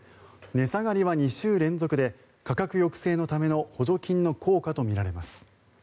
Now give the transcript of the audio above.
値下がりは２週連続で価格抑制のための補助金の効果とみられます。